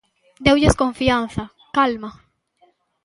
Deulles confianza, calma.